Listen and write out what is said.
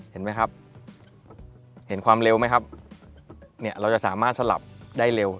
เห็นไหมครับเห็นความเร็วไหมครับเนี่ยเราจะสามารถสลับได้เร็ว